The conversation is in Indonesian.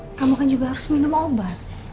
kamu kan juga harus minum obat